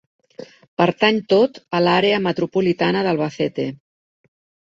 Pertany tot a l'Àrea metropolitana d'Albacete.